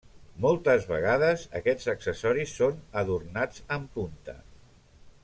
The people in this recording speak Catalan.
Moltes vegades aquests accessoris són adornats amb punta.